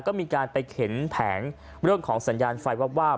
ก็มีการไปเข็นแผงเรื่องของสัญญาณไฟวาบ